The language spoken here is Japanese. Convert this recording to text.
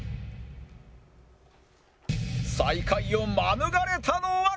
最下位を免れたのは？